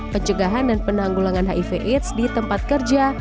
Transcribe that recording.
pencegahan dan penanggulangan hiv aids di tempat kerja